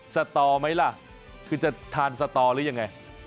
สตอไหมล่ะคือจะทานสตอหรือยังไง